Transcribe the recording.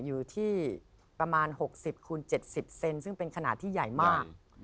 อยู่ที่ประมาณ๖๐คูณ๗๐เซนซึ่งเป็นขนาดที่ใหญ่มาก